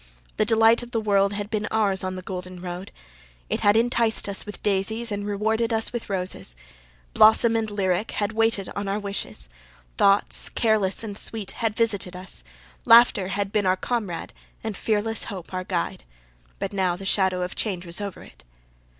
The delight of the world had been ours on the golden road. It had enticed us with daisies and rewarded us with roses. Blossom and lyric had waited on our wishes. Thoughts, careless and sweet, had visited us. Laughter had been our comrade and fearless Hope our guide. But now the shadow of change was over it.